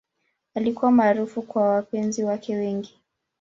Alikuwa maarufu kwa wapenzi wake wengi.